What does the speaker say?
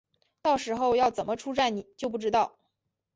到时候要怎么出站就不知道